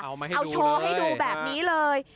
เอาโชว์ให้ดูแบบนี้เลย